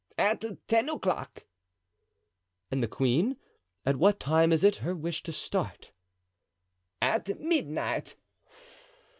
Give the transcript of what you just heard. "At ten o'clock." "And the queen, at what time is it her wish to start?" "At midnight."